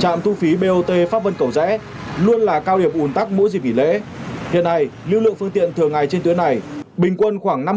trạm thu phí bot pháp vân cầu rẽ luôn là cao điểm ủn tắc mỗi dịp nghỉ lễ hiện nay lưu lượng phương tiện thường ngày trên tuyến này bình quân khoảng năm mươi